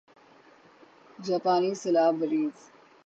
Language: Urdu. جاپانی سیلابریز